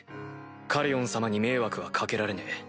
カリオン様に迷惑は掛けられねえ。